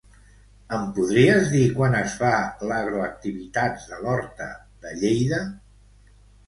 Em podries dir quan es fa l'"Agro-Activitats de l'Horta" de Lleida?